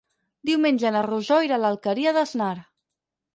Diumenge na Rosó irà a l'Alqueria d'Asnar.